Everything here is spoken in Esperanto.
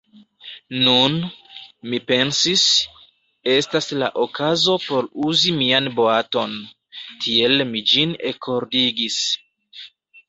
Nun, mi pensis, estas la okazo por uzi mian boaton; tiel mi ĝin ekordigis.